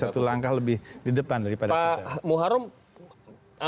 satu langkah lebih di depan daripada kita